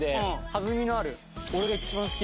弾みのあるへえ！